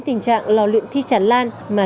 tình trạng lò luyện thi chản lan mà